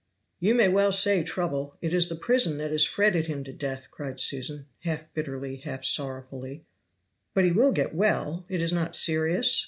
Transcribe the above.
"You may well say trouble! it is the prison that has fretted him to death," cried Susan, half bitterly, half sorrowfully. "But he will get well! it is not serious?"